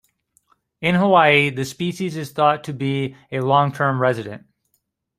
In Hawaii, the species is thought to be a long-term resident.